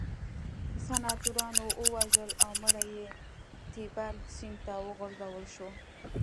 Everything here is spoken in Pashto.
سناتورانو ووژل او مړی یې تیبر سیند ته وغورځول شو